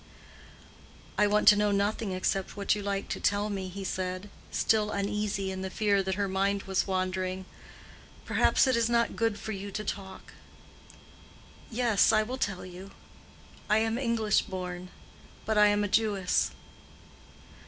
"I want to know nothing except what you like to tell me," he said, still uneasy in the fear that her mind was wandering. "Perhaps it is not good for you to talk." "Yes, I will tell you. I am English born. But I am a Jewess."